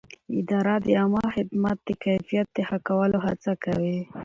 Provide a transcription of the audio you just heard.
اداره د عامه خدمت د کیفیت د ښه کولو هڅه کوي.